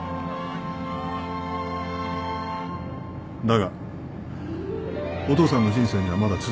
だがお父さんの人生にはまだ続きがある。